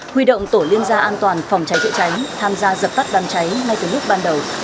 huy động tổ liên gia an toàn phòng cháy chữa cháy tham gia dập tắt đám cháy ngay từ lúc ban đầu